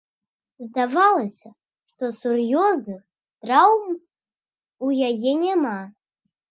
Здавалася, што сур'ёзных траўм у яе няма.